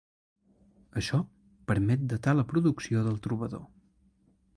Això permet datar la producció del trobador.